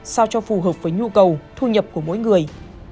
sao cho phù hợp với nhu cầu thu nhập của mỗi người